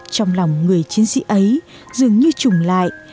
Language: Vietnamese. trong lòng người chiến sĩ ấy dường như trùng lại